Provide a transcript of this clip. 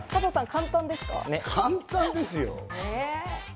簡単ですよ。